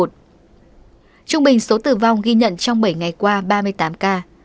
trung bình số tử vong ghi nhận trong bảy ngày qua ba mươi tám ca